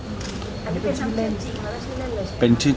เป็นทั้งชื่อจริงและชื่อเล่นเลยใช่ไหม